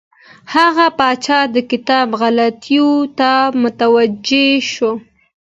هغه پاچا د کتاب غلطیو ته متوجه شو.